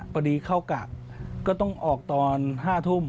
พอดีเข้ากะก็ต้องออกตอน๕ทุ่ม